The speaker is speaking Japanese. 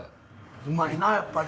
うまいなやっぱり。